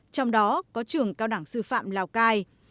trong đó có trường cao đẳng sư phạm lào cai